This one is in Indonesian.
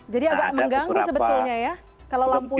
jadi agak mengganggu sebetulnya ya kalau lampunya